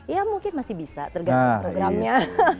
ya mungkin masih bisa tergantung programnya